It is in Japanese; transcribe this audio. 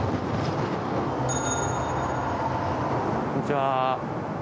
こんにちは。